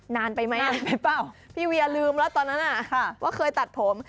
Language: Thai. นานไปป่าวพี่เวียรึมแล้วตอนนั้นน่ะว่าเคยตัดผม